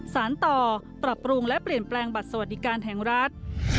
สารต่อปรับปรุงและเปลี่ยนแปลงบัตรสวัสดิการแห่งรัฐ